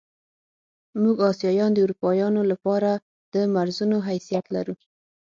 موږ اسیایان د اروپایانو له پاره د مرضونو حیثیت لرو.